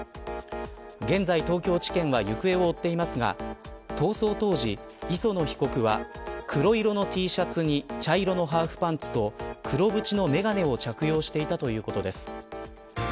現在、東京地検は行方を追っていますが逃走当時、磯野被告は黒色のＴシャツに茶色のハーフパンツと黒縁の眼鏡を着用していたということです。